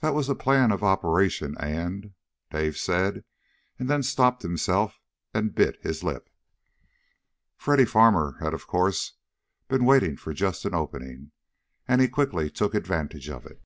"That was the plan of operation, and " Dave said, and then stopped himself, and bit his lip. Freddy Farmer had of course been waiting for just such an opening, and he quickly took advantage of it.